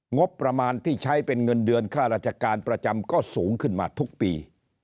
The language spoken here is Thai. งบประมาณที่ใช้เป็นเงินเดือนค่าราชการประจำก็สูงขึ้นมาทุกปี